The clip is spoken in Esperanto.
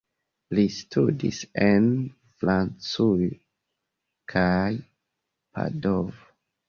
Li studis en Francujo kaj Padovo.